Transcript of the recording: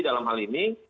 dalam hal ini